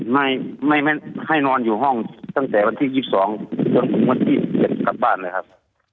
ไม่ไม่ให้นอนอยู่ห้องตั้งแต่วันที่๒๒จนถึงวันที่๗กลับบ้านเลยครับ